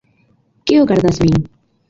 Kio gardas vin?